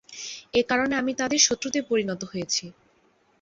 এ কারণে আমি তাদের শত্রুতে পরিণত হয়েছি।